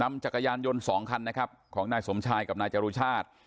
นำจักรยานยนต์๒คันของนายสมชายกับนายจรุชาติ